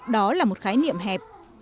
đó là một khái niệm hẹp